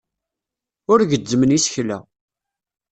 Ur gezzmen isekla.